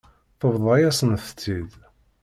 Tebḍa-yasent-tt-id.